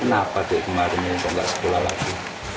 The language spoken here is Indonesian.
kenapa adik kemarin tidak sekolah lagi